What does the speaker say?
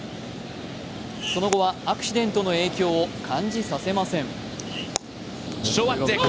その後はアクシデントの影響を感じさせません。